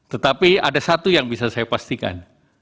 tetapi ada satu yang bisa saya pastikan